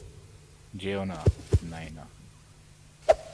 যেও না, নায়না।